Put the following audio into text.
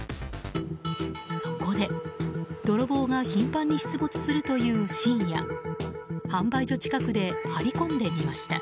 そこで泥棒が頻繁に出没するという深夜販売所近くで張り込んでみました。